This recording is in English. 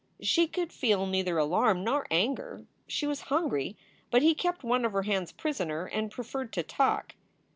She could feel neither alarm nor anger. She was hungry, but he kept one of her hands prisoner and preferred to talk.